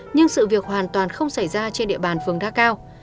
nhưng sự việc hoàn toàn không xảy ra trên địa bàn phường đa cao